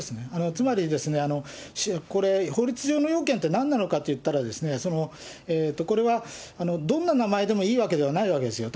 つまり、これ、法律上の要件ってなんなのかって言ったら、これはどんな名前でもいいわけではないわけですよ。